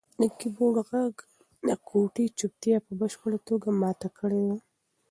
د کیبورډ غږ د کوټې چوپتیا په بشپړه توګه ماته کړې وه.